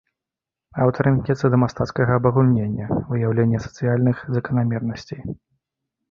Аўтар імкнецца да мастацкага абагульнення, выяўлення сацыяльных заканамернасцей.